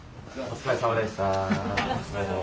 お疲れさまです。